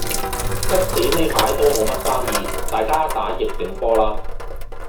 的士呢排都無乜生意，大家打逆境波啦